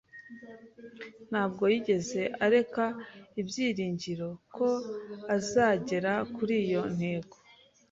Ntabwo yigeze areka ibyiringiro ko azagera kuri iyo ntego.